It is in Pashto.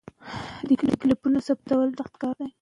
روزه ورزش پرېښودل او خوب زیاتوالی رامنځته کوي.